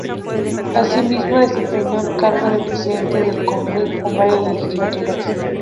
Asimismo desempeñó el cargo de presidente del Congreso en varias legislaturas.